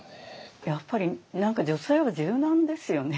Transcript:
やっぱり何か女性は柔軟ですよねえてして。